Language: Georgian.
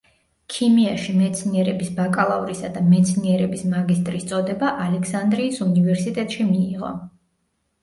ქიმიაში მეცნიერების ბაკალავრისა და მეცნიერების მაგისტრის წოდება ალექსანდრიის უნივერსიტეტში მიიღო.